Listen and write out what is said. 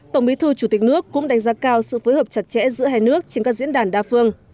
tổng bí thư chủ tịch nước cũng đánh giá cao sự phối hợp chặt chẽ giữa hai nước trên các diễn đàn đa phương